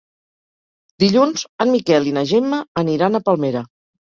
Dilluns en Miquel i na Gemma aniran a Palmera.